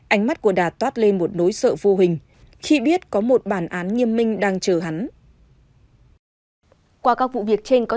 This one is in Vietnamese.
ánh mắt của đạt toát lên một nối sợ vô hình khi biết có một bản án nghiêm minh đang chờ hắn